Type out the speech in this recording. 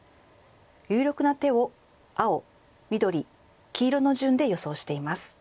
有力な手を青緑黄色の順で予想しています。